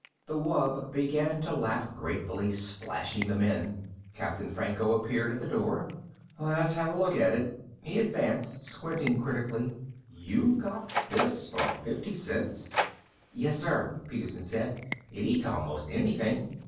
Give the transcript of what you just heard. The wub began to lap gratefully, splashing the men. Captain Franco appeared at the door. "Let's have a look at it." He advanced, squinting critically. "You got this for fifty cents?" "Yes, sir," Peterson said. "It eats almost anything.